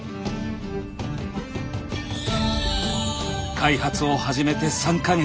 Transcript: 開発を始めて３か月。